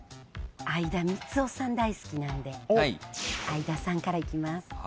相田みつをさん大好きなんで相田さんからいきます。